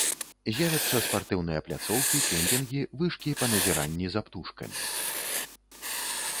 З'явяцца спартыўныя пляцоўкі, кемпінгі, вышкі па назіранні за птушкамі.